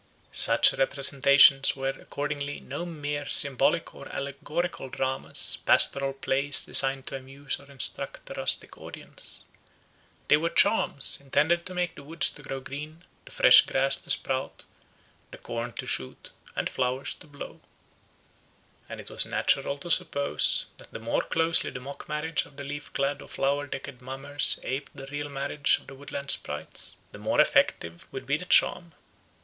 Such representations were accordingly no mere symbolic or allegorical dramas, pastoral plays designed to amuse or instruct a rustic audience. They were charms intended to make the woods to grow green, the fresh grass to sprout, the corn to shoot, and the flowers to blow. And it was natural to suppose that the more closely the mock marriage of the leaf clad or flower decked mummers aped the real marriage of the woodland sprites, the more effective would be the charm.